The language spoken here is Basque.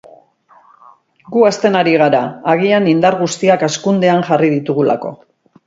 Gu hazten ari gara, agian indar guztiak hazkundean jarri ditugulako.